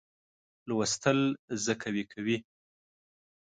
لوستل زه قوي کوي.